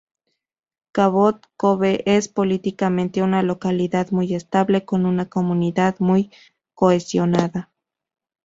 Cabot Cove es, políticamente, una localidad muy estable, con una comunidad muy cohesionada.